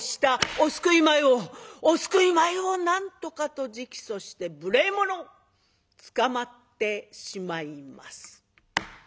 「お救い米をお救い米をなんとか！」と直訴して「無礼者！」。捕まってしまいます。